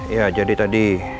iya jadi tadi